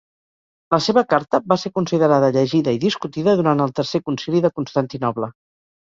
La seva carta va ser considerada, llegida i discutida durant el tercer concili de Constantinoble.